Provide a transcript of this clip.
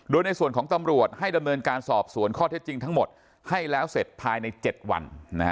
โดยในส่วนของตำรวจให้ดำเนินการสอบสวนข้อเท็จจริงทั้งหมดให้แล้วเสร็จภายใน๗วัน